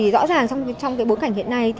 rõ ràng trong bối cảnh hiện nay